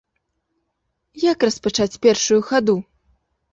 Як распачаць першую хаду?